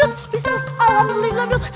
alamu lelah dut